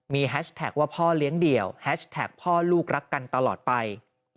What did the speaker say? มีแฮชแท็กว่าพ่อเลี้ยงเดี่ยวแฮชแท็กพ่อลูกรักกันตลอดไป